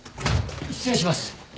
失礼します。